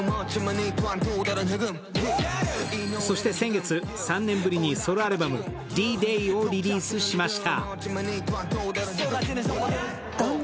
そして先月、３年ぶりにソロアルバム「Ｄ−ＤＡＹ」をリリースしました。